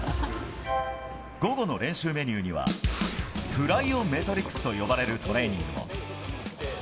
午後の練習メニューには、プライオメトリクスと呼ばれるトレーニングを。